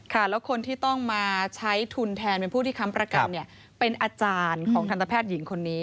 แล้วคนที่ต้องมาใช้ทุนแทนเป็นผู้ที่ค้ำประกันเป็นอาจารย์ของทันตแพทย์หญิงคนนี้